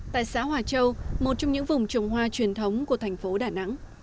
tại xã hòa châu một trong những vùng trồng hoa truyền thống của thành phố đà nẵng